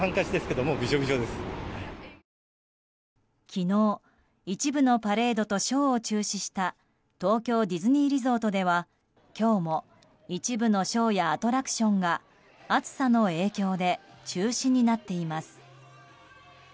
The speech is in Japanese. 昨日、一部のパレードとショーを中止した東京ディズニーリゾートでは今日も一部のショーやアトラクションが暑さの影響で中止になっています。